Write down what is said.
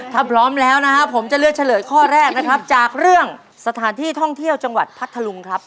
ถ้าพร้อมแล้วนะครับผมจะเลือกเฉลยข้อแรกนะครับจากเรื่องสถานที่ท่องเที่ยวจังหวัดพัทธลุงครับ